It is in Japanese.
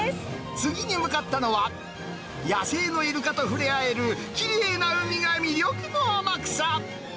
次に向かったのは、野生のイルカと触れ合える、きれいな海が魅力の天草。